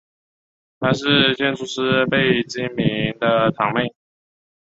她是建筑师贝聿铭的堂妹。